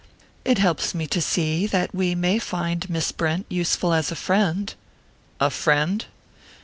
"It helps me to see that we may find Miss Brent useful as a friend." "A friend?"